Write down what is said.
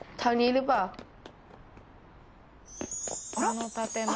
この建物。